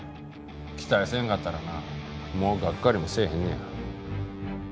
期待せんかったらなもうがっかりもせえへんねや。